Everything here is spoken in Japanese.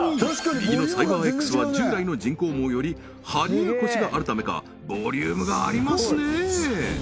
右のＣＹＢＥＲＸは従来の人工毛よりハリやコシがあるためかボリュームがありますね